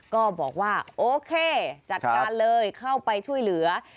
ก็บอกว่าโอเคจัดการเลยเข้าไปช่วยเหลือ